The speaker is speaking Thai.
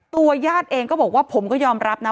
ตัวย่าดเองก็บอกว่าผมก็ยอมรับนะ